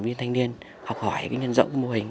viên thanh niên học hỏi nhân rộng mô hình